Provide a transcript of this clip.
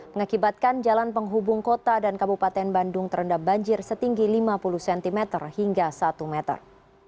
mengakibatkan jalan penghubung kota dan kabupaten bandung terendam banjir setinggi lima puluh cm hingga satu meter